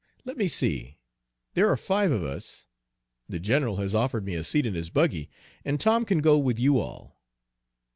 Let me see. There are five of us. The general has offered me a seat in his buggy, and Tom can go with you all."